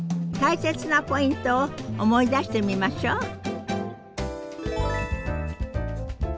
大切なポイントを思い出してみましょう。